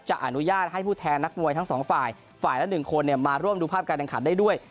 อนุญาตให้ผู้แทนนักมวยทั้งสองฝ่ายฝ่ายละ๑คนมาร่วมดูภาพการแข่งขันได้ด้วย